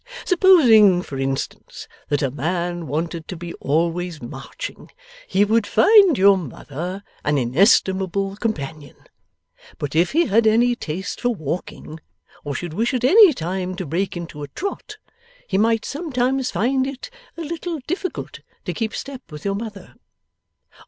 Supposing, for instance, that a man wanted to be always marching, he would find your mother an inestimable companion. But if he had any taste for walking, or should wish at any time to break into a trot, he might sometimes find it a little difficult to keep step with your mother.